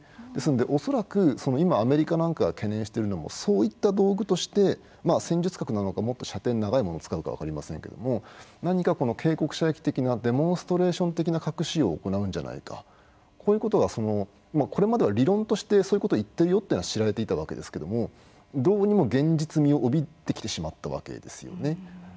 ですので恐らく今、アメリカなんかが懸念しているのもそういった道具として戦術核なのかもっと射程の長いものを使うか分かりませんが何か警告射撃的なデモンストレーション的な核使用を行うんじゃないかということがこれまでは理論としてそういうことを言っていることは知られていたわけですけれども非常に現実味を帯びてきてしまったわけですね。